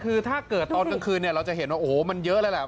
คือถ้าเกิดตอนกลางคืนเราจะเห็นว่ามันเยอะแล้วแหละ